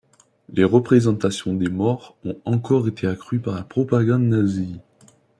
Les représentations des morts ont été encore accrues par la propagande nazie.